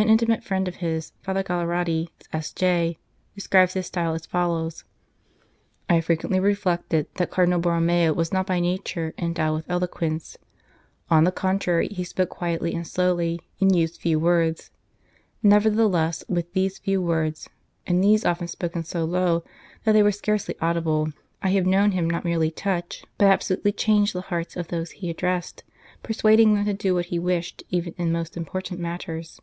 An intimate friend of his, Father Galliardi, S.J., describes his style as follows :" I have frequently reflected that Cardinal Borromeo was not by nature endowed with eloquence ; on the contrary, he spoke quietly and slowly, and used few words ... nevertheless with these few words and these often spoken so low that they were scarcely 213 St. Charles Borromeo audible I have known him not merely touch, but absolutely change, the hearts of those he addressed, persuading them to do what he wished even in most important matters."